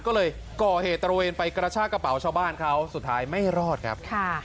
ก็เลยก่อเหตุตระเวนไปกระชากระเป๋าชาวบ้านเขาสุดท้ายไม่รอดครับ